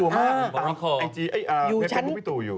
น่ากลัวมากตามไอจีพี่ตูอยู่บริโภค